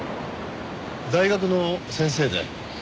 大学の先生で。